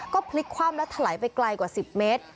ก็พลิกคว่ำและถลายไปไกลกว่า๑๐เมตร